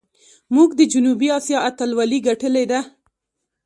موږ د جنوبي آسیا اتلولي ګټلې ده.